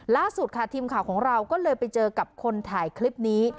ล่าสุดค่ะทีมข่าวของเราก็เลยไปเจอกับคนถ่ายคลิปนี้